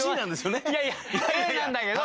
いやいやＡなんだけど。